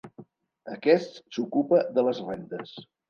Aquest s'ocupa de les rendes.